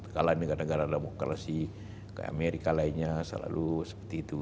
kalo negara demokrasi amerika lainnya selalu seperti itu